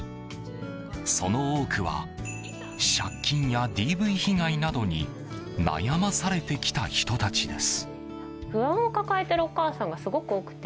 その多くは借金やＤＶ被害などに悩まされてきた人たちです。